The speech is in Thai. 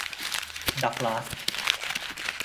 ดักลาส